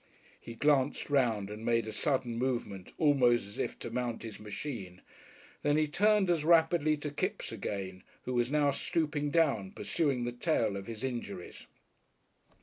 He glanced round and made a sudden movement almost as if to mount his machine. Then he turned as rapidly to Kipps again, who was now stooping down, pursuing the tale of his injuries.